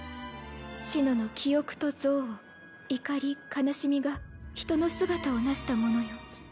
紫乃の記憶と憎悪怒り悲しみが人の姿をなしたものよ。